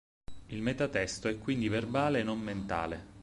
Il metatesto è quindi verbale e non mentale.